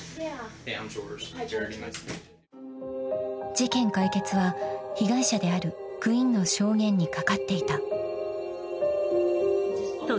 ［事件解決は被害者であるクインの証言に懸かっていた］